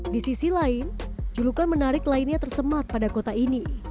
di sisi lain julukan menarik lainnya tersemat pada kota ini